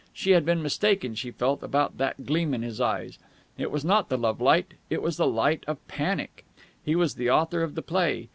She had been mistaken, she felt, about that gleam in his eyes. It was not the lovelight: it was the light of panic. He was the author of the play.